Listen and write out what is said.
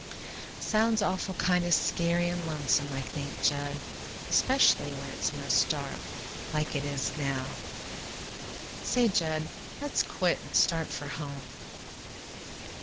"Sounds awful kind of scary an' lonesome, I think, Jud, 'specially when it's most dark, like it is now. Say, Jud, let's quit and start for home."